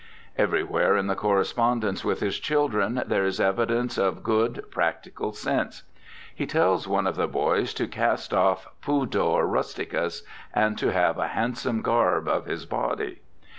Everywhere in the cor respondence with his children there is evidence of good, practical sense. He tells one of the boys to 'cast off pudor rustiais, and to have a handsome garb of his body.'